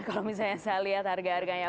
kalau misalnya saya lihat harga harganya